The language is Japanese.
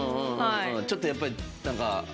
ちょっとやっぱりなんか。